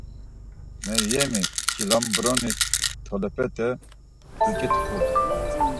Meryemi, çilambroni tolepete duç̌itxu.